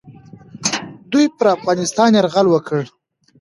دوی پر افغانستان یرغل وکړ.